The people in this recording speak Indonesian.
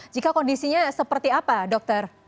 jika kondisinya seperti apa dokter